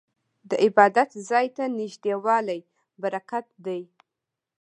د عبادت ځای ته نږدې والی برکت دی.